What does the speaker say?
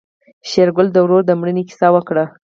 شېرګل د ورور د مړينې کيسه وکړه.